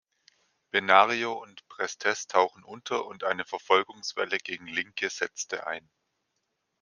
Benario und Prestes tauchen unter und eine Verfolgungswelle gegen Linke setzte ein.